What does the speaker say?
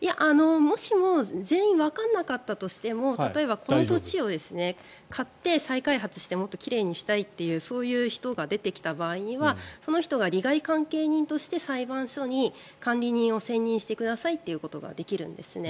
もしも全員わからなかったとしても例えばこの土地を買って再開発してもっと奇麗にしたいというそういう人が出てきた場合その人が利害関係人として裁判所に管理人を選任してくださいということができるんですね。